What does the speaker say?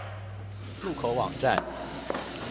入口網站